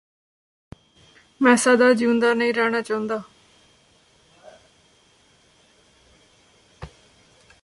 ਮੈਂ ਸਦਾ ਜਿਊਂਦਾ ਨਹੀਂ ਰਹਿਣਾ ਚਾਹੁੰਦਾ